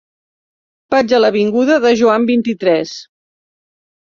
Vaig a l'avinguda de Joan vint-i-tres.